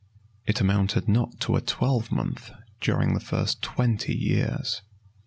It amounted not to a twelvemonth during the first twenty years.